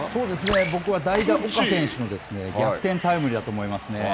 僕は代打岡選手の逆転タイムリーだと思いますね。